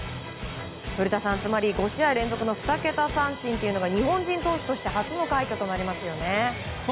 古田さん、つまり５試合連続の２桁三振というのが日本人投手として初の快挙となりますね。